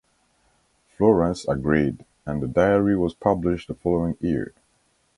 Florence agreed and the diary was published the following year.